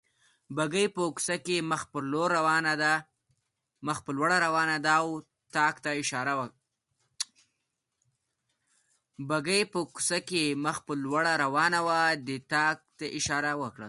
بګۍ په کوڅه کې مخ په لوړه روانه وه، دې طاق ته اشاره وکړل.